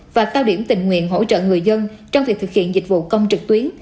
và cao điểm tình nguyện hỗ trợ người dân trong việc thực hiện dịch vụ công trực tuyến